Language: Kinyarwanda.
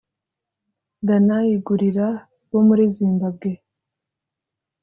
Danai Gurira wo muri Zimbabwe